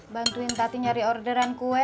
bantuin tati nyari orderan kue